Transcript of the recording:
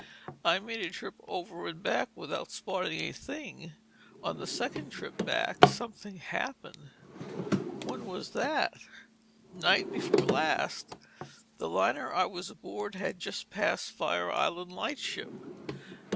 I made a trip over and back without spotting a thing. On the second trip back, something happened." "When was that?" "Night before last. The liner I was aboard had just passed Fire Island lightship.